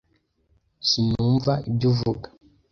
Sinumva ibyo uvuga